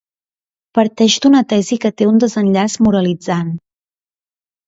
Parteix d'una tesi que té un desenllaç moralitzant.